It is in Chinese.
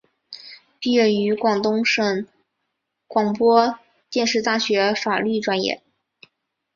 毕业于广东省广播电视大学法律专业。